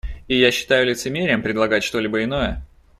И я считаю лицемерием предлагать что-либо иное.